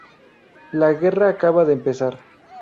La guerra acababa de empezar.